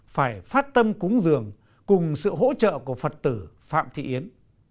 phải phát tâm cúng dường cùng sự hỗ trợ của phật tử phạm thị yến